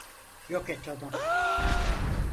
Yok et onu!